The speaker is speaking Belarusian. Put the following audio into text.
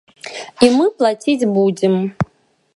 І мы плаціць будзем.